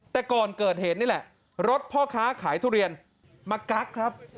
แต่ก่อนเกิดเหตุนี่แหละรถพ่อค้าขายทุเรียนมากั๊กครับ